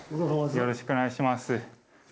よろしくお願いします。